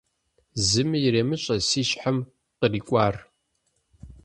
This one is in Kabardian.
Зыми иремыщӀэ си щхьэм кърикӀуар.